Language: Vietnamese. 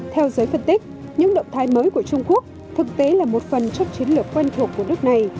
theo giới phân tích những động thái mới của trung quốc thực tế là một phần trong chiến lược quen thuộc của nước này